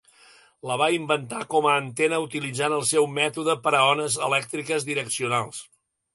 La va inventar com a antena utilitzant el seu "mètode per a ones elèctriques direccionals".